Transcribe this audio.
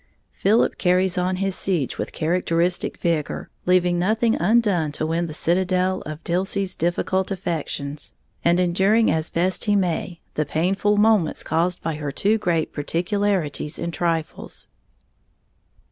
_ Philip carries on his siege with characteristic vigor, leaving nothing undone to win the citadel of Dilsey's difficult affections, and enduring as best he may the painful moments caused by her too great particularity in trifles.